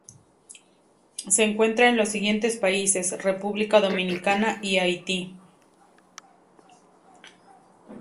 Se encuentra en los siguientes países: República Dominicana y Haití.